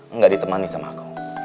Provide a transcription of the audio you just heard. enggak ditemani sama aku